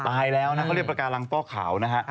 ตายแล้วนะเขาเรียกปากการังฟ่อขาวนะฮะ